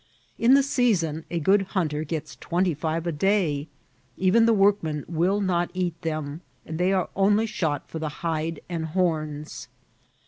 In the season a good hunter gets twenty five a day. Even the w(»rkmen will not eat them, and they are only shot for the hide and horns.